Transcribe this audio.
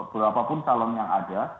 berapapun calon yang ada